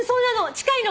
近いの。